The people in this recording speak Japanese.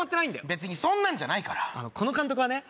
別にそんなんじゃないからこの監督はね